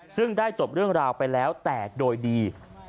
ซึ่งได้จบเรื่องราวไปแล้วแต่โดยดี